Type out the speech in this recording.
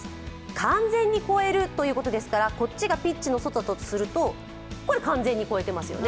完全に越えるということですからこっちがピッチの外とするとこれ、完全に越えていますよね。